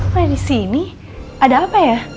kalian kok ada di sini ada apa ya